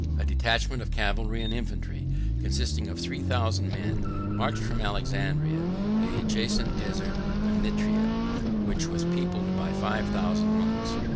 A detachment of cavalry and infantry, consisting of three thousand men, marched from Alexandria into the adjacent desert of Nitria, 75 which was peopled by five thousand monks.